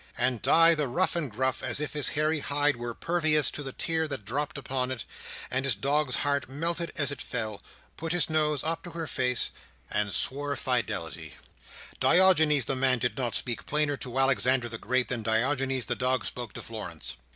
And Di, the rough and gruff, as if his hairy hide were pervious to the tear that dropped upon it, and his dog's heart melted as it fell, put his nose up to her face, and swore fidelity. Diogenes the man did not speak plainer to Alexander the Great than Diogenes the dog spoke to Florence.